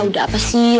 udah apa sih